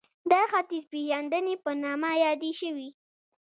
دا ختیځپېژندنې په نامه یادې شوې